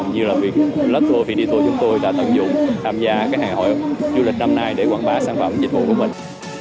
cũng như là luthor phi đi tour chúng tôi đã tận dụng tham gia cái hàng hội du lịch năm nay để quảng bá sản phẩm dịch vụ của mình